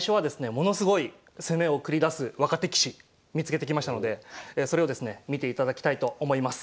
ものすごい攻めを繰り出す若手棋士見つけてきましたのでそれをですね見ていただきたいと思います。